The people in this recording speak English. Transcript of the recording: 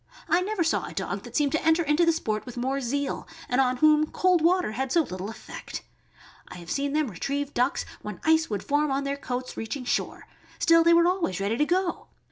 I never saw a dog that seemed to enter into the sport with more zeal, and on whom cold water had so little effect. I have seen them retrieve ducks when ice would form on their coats on reaching shore; still they were always ready to go.